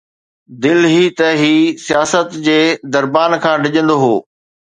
دل هي ته هي سياست جي دربان کان ڊڄندو هو